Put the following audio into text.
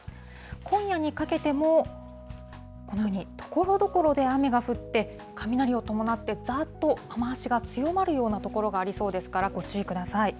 今夜にかけても、このように、ところどころで雨が降って、雷を伴って、ざーっと雨足が強まる所がありそうですから、ご注意ください。